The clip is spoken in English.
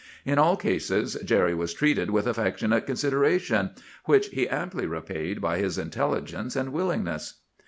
In all cases Jerry was treated with affectionate consideration, which he amply repaid by his intelligence and willingness.